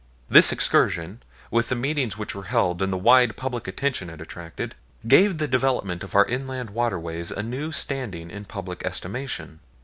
This excursion, with the meetings which were held and the wide public attention it attracted, gave the development of our inland waterways a new standing in public estimation.